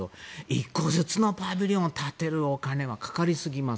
１個ずつのパビリオンを建てるお金はかかりすぎます。